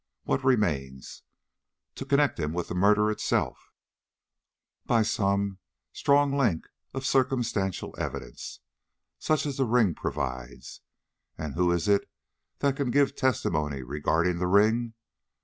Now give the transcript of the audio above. What remains? To connect him with the murder itself, by some, strong link of circumstantial evidence, such as the ring provides. And who is it that can give testimony regarding the ring?